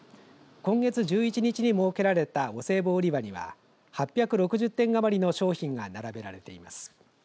今月１１日に設けられたお歳暮売り場には８６０点余りの商品が並べられています。